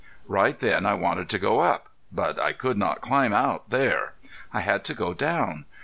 Right then I wanted to go up! But I could not climb out there. I had to go down.